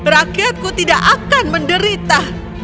rakyatku tidak akan menderita